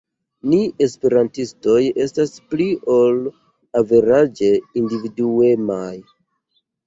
Ni esperantistoj estas pli ol averaĝe individuemaj.